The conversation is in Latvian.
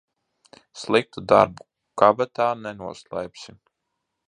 Sliktu darbu kabatā nenoslēpsi.